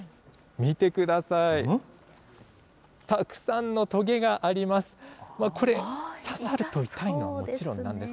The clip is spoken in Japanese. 見てください、たくさんのとげがあります。